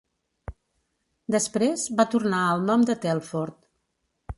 Després va tornar al nom de Telfort.